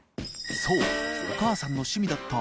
磴修お母さんの趣味だった）